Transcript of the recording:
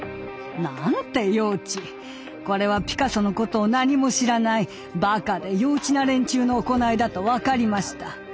これはピカソのことを何も知らないバカで幼稚な連中の行いだと分かりました。